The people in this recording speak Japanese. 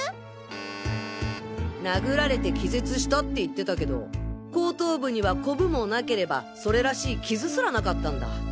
殴られて気絶したって言ってたけど後頭部にはこぶもなければそれらしい傷すらなかったんだ。